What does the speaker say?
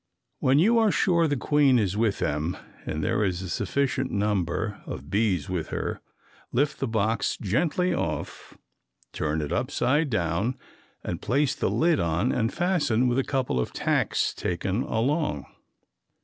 When you are sure the queen is with them, and there is a sufficient number of bees with her, lift the box gently off, turn it upside down and place the lid on and fasten with a couple of tacks taken along.